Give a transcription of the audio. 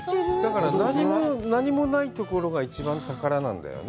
だから、何もないところが一番の宝なんだよね。